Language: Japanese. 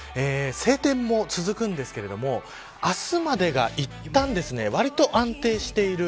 晴天も続くんですけれども明日までがいったんわりと安定している。